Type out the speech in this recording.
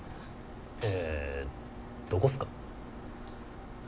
えぇどこっすか？